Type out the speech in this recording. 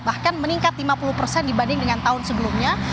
bahkan meningkat lima puluh persen dibanding dengan tahun sebelumnya